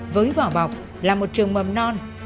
với vỏ bọc là một trường mầm non